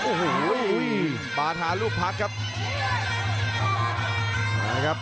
โอ้โหบาทหารูปพักครับ